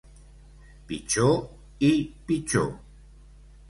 Pitjor i pitjor